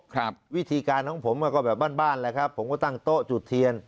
ครับวิธีการของผมก็แบบบ้านบ้านแหละครับผมก็ตั้งโต๊ะจุดเทียน